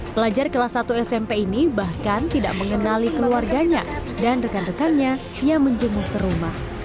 pelajar kelas satu smp ini bahkan tidak mengenali keluarganya dan rekan rekannya yang menjenguk ke rumah